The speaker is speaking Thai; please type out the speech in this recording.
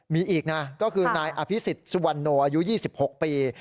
มีอีกนะก็คือนายอภิษฎสุวรรณโนอายุ๒๖ปี